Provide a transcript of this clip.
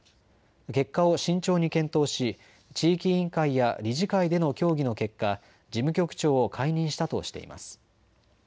結果を慎重に検討し地域委員会や理事会での協議の結果、事務局長を解任したとしています。